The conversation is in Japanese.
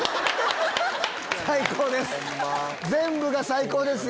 最高です！